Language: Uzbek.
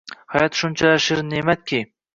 Hayot shunchalar shirin ne`matki